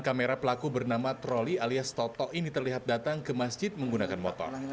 kamera pelaku bernama troli alias toto ini terlihat datang ke masjid menggunakan motor